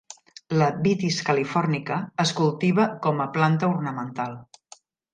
La "Vitis californica" es cultiva com a planta ornamental.